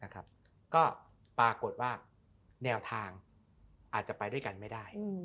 ก็ปรากฏว่าแนวทางอาจจะไปด้วยกันไม่ได้